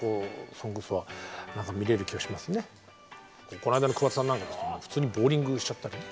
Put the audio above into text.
この間の桑田さんなんか普通にボーリングしちゃったりね。